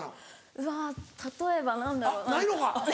うわ例えば何だろう？ないのか？